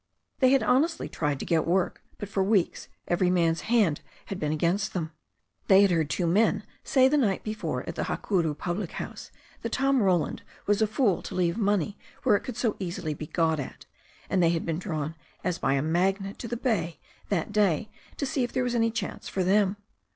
They had honestly tried to get work, but for weeks every man's hand had been against them. They had heard two men say the night before at the Hakuru public house that Tom Roland was a fool to leave money where it could so easily be got at, and they had been drawn as by a magnet to the bay that day to see if there was any chance for them.